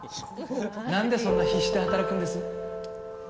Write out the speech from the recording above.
何でそんな必死で働くんです？